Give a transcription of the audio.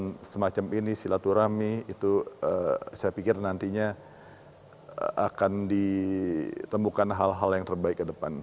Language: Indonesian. dan semacam ini silaturahmi itu saya pikir nantinya akan ditemukan hal hal yang terbaik ke depan